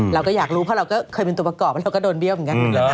เราก็อยากรู้เพราะเราก็เคยเป็นตัวประกอบแล้วเราก็โดนเบี้ยวเหมือนกัน